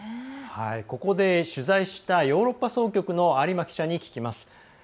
ここで取材したヨーロッパ総局の有馬記者に聞きます。